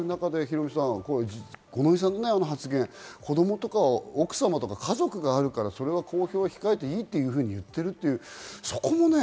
ヒロミさん、五ノ井さんの発言、子供とか奥様とか家族があるから、それは公表を控えていいというふうに言っているという。